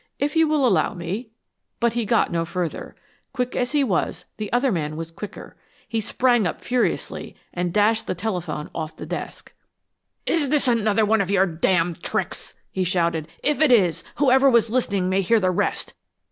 If you will allow me " But he got no further. Quick as he was, the other man was quicker. He sprang up furiously, and dashed the telephone off the desk. "Is this another of your d d tricks?" he shouted. "If it is, whoever was listening may hear the rest.